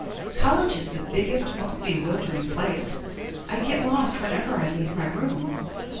College is the biggest, most bewildering place I get lost whenever I leave my room.